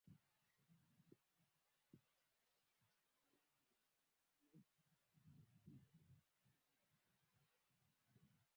sote tunafurahisha tunafurahia maisha hayo mazuri